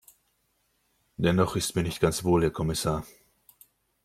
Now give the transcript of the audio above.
Dennoch ist mir nicht ganz wohl, Herr Kommissar.